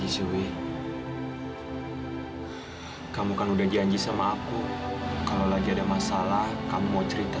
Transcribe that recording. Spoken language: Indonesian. sampai jumpa di video selanjutnya